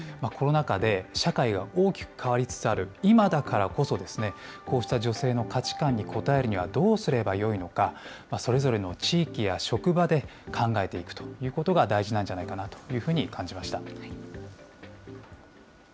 コロナ禍で社会が大きく変わりつつある今だからこそですね、こうした女性の価値観に応えるにはどうすればよいのか、それぞれの地域や職場で考えていくということが大事なんじゃないかなというふうに感じました。